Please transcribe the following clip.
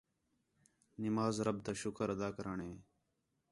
نماز رب تا شُکریہ ادا کرݨ ہِے